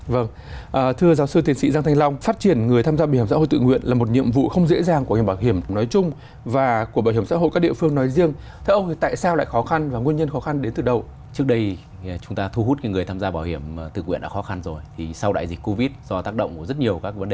vâng thưa giáo sư tiến sĩ giang thanh long phát triển người tham gia bảo hiểm xã hội tự nguyện